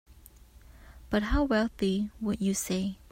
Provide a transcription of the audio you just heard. About how wealthy would you say?